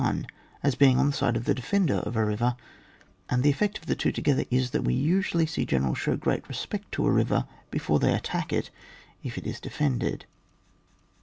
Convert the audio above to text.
1, as being on the aide of the defender of a river, and the effect of the two together is, that we usually see generals show great respect to a river before they attack it if it is de fended.